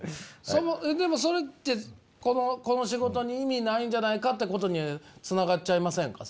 そのでもそれってこの仕事に意味ないんじゃないかってことにつながっちゃいませんか？